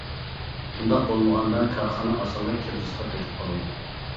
ئۇنداق بولمىغاندا كارخانا ئاسانلا كىرىزىسقا پېتىپ قالىدۇ.